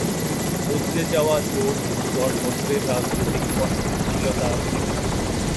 বদলে যাওয়া জোট দশ বছরের রাজনৈতিক অস্থিতিশীলতা দেখেছিল।